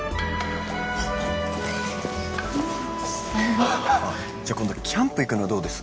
バカ今度キャンプ行くのはどうです？